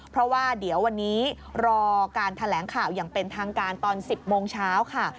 เพราะว่าเดี๋ยววันนี้รอการแถลงข่าวอย่างเป็นทางการตอน๑๐โมงเช้าค่ะ